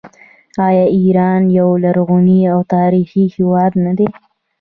آیا ایران یو لرغونی او تاریخي هیواد نه دی؟